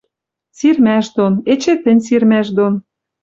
Сирмӓш дон, эче тӹнь сирмӓш дон